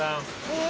え？